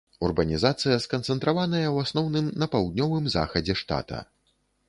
Урбанізацыя сканцэнтраваная ў асноўным на паўднёвым захадзе штата.